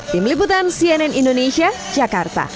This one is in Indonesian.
tim liputan cnn indonesia jakarta